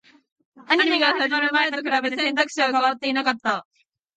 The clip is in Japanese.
アニメが始まる前と比べて、選択肢は変わっていなかった